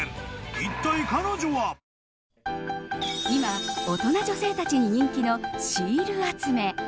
今、大人女性たちに人気のシール集め。